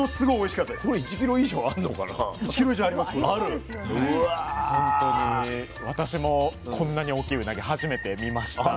ほんとに私もこんなに大きいうなぎ初めて見ました。